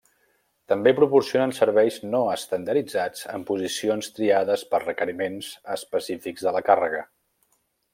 També proporcionen serveis no estandarditzats en posicions triades per requeriments específics de la càrrega.